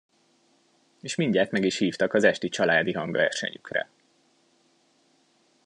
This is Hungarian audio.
És mindjárt meg is hívták az esti családi hangversenyükre.